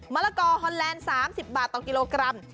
ละกอฮอนแลนด์๓๐บาทต่อกิโลกรัม